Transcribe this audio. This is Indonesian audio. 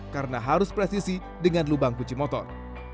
karena harus presisi dengan lubang kunci motor